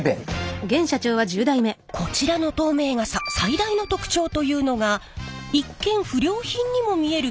こちらの透明傘最大の特徴というのが一見不良品にも見える